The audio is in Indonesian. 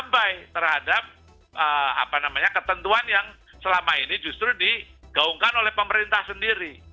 abai terhadap ketentuan yang selama ini justru digaungkan oleh pemerintah sendiri